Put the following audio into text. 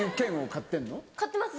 買ってます。